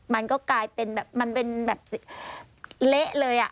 มันก็กลายเป็นแบบมันเป็นแบบเละเลย